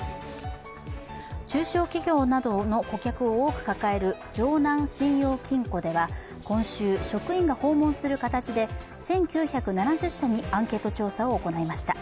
中小企業などの顧客を多く抱える城南信用金庫では今週、職員が訪問する形で１９７０社にアンケート調査を行いました。